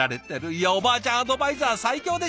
いやおばあちゃんアドバイザー最強でしょ！